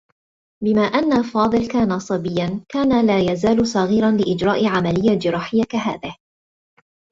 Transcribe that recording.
بما أنّ فاضل كان صبيّا، كان لا يزال صغيرا لإجراء عمليّة جراحيّة كهذه.